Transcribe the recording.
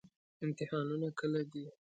امتحانونه کله دي؟